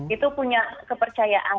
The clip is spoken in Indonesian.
itu punya kepercayaan